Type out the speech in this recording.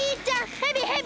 ヘビヘビ！